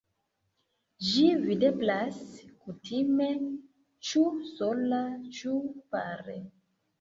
Ĝi videblas kutime ĉu sola ĉu pare.